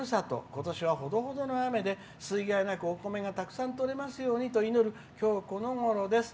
ことしはほどほどの雨で水害なくお米がたくさん取れますようにと祈る、きょうこのごろです。